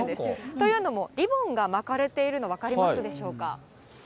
というのも、リボンが巻かれているの、分かりますでしょうか。